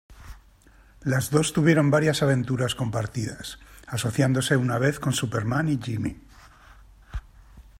Las dos tuvieron varias aventuras compartidas, asociándose una vez con Superman y Jimmy.